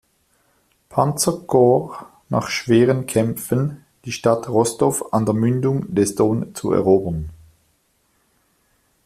Panzerkorps nach schweren Kämpfen, die Stadt Rostow an der Mündung des Don zu erobern.